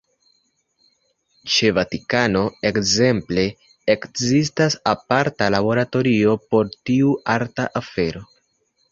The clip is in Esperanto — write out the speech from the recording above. Ĉe Vatikano, ekzemple, ekzistas aparta laboratorio por tiu arta afero.